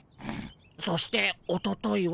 そしておとといは。